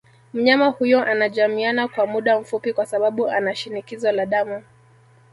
Mnyama huyo anajamiana kwa muda mfupi kwa sababu anashinikizo la damu